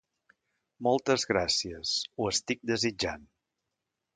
Moltes gràcies. Ho estic desitjant.